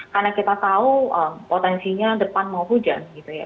karena kita tahu potensinya depan mau hujan gitu ya